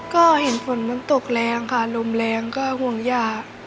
ก็เห็นฝนมันตกแรงค่ะลมแรงก็ห่วงยาก